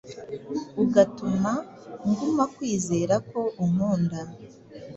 Ugatuma nguma kwizera ko unkunda